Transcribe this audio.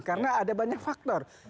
karena ada banyak faktor